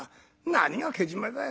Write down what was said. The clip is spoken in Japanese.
「何がけじめだよ。